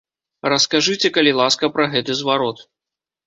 Раскажыце, калі ласка, пра гэты зварот.